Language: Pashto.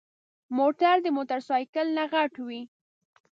موټر د موټرسايکل نه غټ وي.